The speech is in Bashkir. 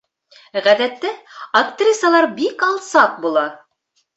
Ғәҙәттә, актрисалар бик алсаҡ була.